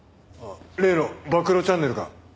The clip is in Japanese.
例の暴露チャンネルか。